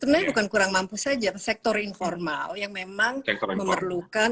sebenarnya bukan kurang mampu saja sektor informal yang memang memerlukan